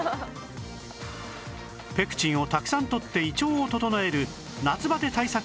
ペクチンをたくさんとって胃腸を整える夏バテ対策